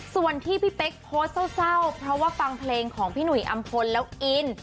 ส่วนที่พี่เป๊กโพสต์เศร้าเพราะว่าฟังเพลงของพี่หนุ่ยอำพลแล้วอิน